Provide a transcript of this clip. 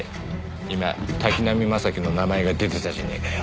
今滝浪正輝の名前が出てたじゃねぇかよ。